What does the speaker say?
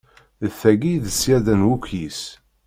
D tagi i d ṣṣyada n wukyis!